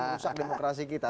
merusak demokrasi kita